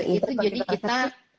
itu jadi kita